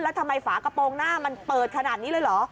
แล้วทำไมฝากระโปรงหน้ามันเปิดขนาดนี้เลยเหรอ